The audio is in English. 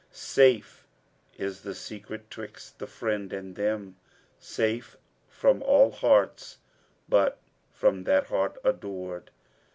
Safe is the secret 'twixt the Friend and them; * Safe from all hearts but from that Heart adored.'"